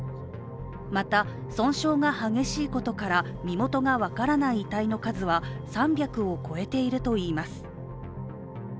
また、損傷が激しいことから身元が分からない遺体の数は３００を超えているといいます。